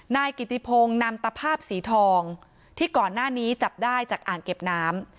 นายกิติพงศ์นำตะภาพสีทองที่ก่อนหน้านี้จับได้จากอ่างเก็บน้ำ